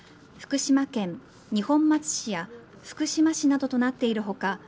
福島県二本松市や福島市などとなっている他